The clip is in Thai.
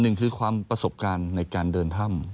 หนึ่งคือความประสบการณ์ในการเดินถ้ำ